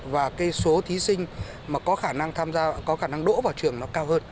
và cái số thí sinh mà có khả năng đỗ vào trường nó cao hơn